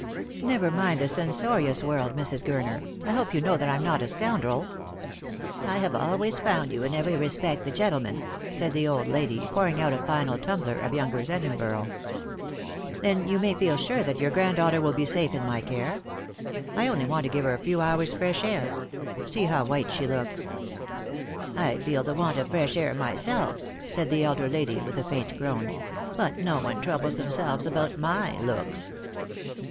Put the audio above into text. " Never mind the censorious world, Mrs. Gurner. I hope you know that I'm not a scoundrel." " I have always found you in every respect the gentleman," said the old lady, pouring out a final tumbler of Younger'a Edinburgh. Last for .Love. 99 " Then you may feel sure that your granddaughter will be Bafe in my care. I only want to give her a few hours' fresh air. See how white she looks." " I feel the want of fresh air myself," said the elder lady, with a faint groan ;" but no one troubles themselves about my looks."